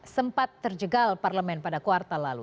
sempat terjegal parlemen pada kuartal lalu